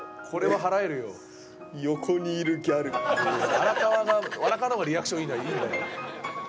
荒川が荒川の方がリアクションいいのはいいんだよ。